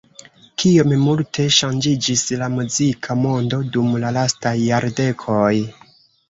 Kiom multe ŝanĝiĝis la muzika mondo dum la lastaj jardekoj!